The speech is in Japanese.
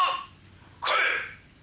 来い！